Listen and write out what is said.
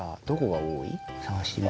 どこが多い？